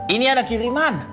ini ada kiriman